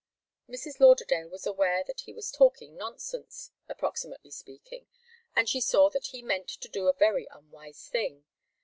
Mrs. Lauderdale was aware that he was talking nonsense, approximately speaking, and she saw that he meant to do a very unwise thing.